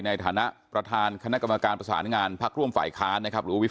ในฐานะประธานคณะกรรมการสันติงงานพรรคร่วมฝ่ายค้าน